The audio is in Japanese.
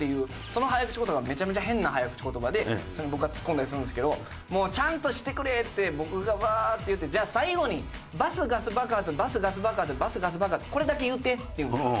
その早口言葉がめちゃめちゃ変な早口言葉でそれに僕がツッコんだりするんですけど「もうちゃんとしてくれ！」って僕がワーッて言ってじゃあ最後に「“バスガス爆発バスガス爆発バスガス爆発”これだけ言うて」って言うんですよ。